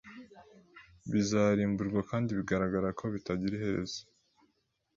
bizarimburwa kandi bigaragara ko bitagira iherezo